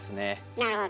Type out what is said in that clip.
なるほど。